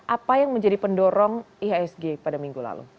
apa yang menjadi pendorong ihsg pada minggu lalu